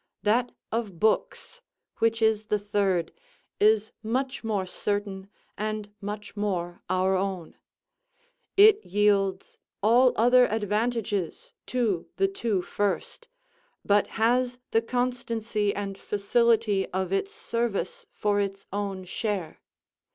That of books, which is the third, is much more certain, and much more our own. It yields all other advantages to the two first, but has the constancy and facility of its service for its own share.